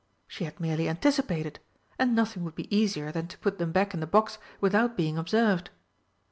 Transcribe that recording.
She had merely anticipated and nothing would be easier than to put them back in the box without being observed.